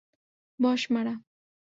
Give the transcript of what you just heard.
বস, মারা।